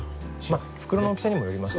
袋の大きさにもよりますね。